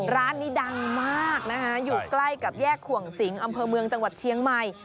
ร้านนี้ดังมากนะคะอยู่ใกล้กับแยกขวงสิงอำเภอเมืองจังหวัดเชียงใหม่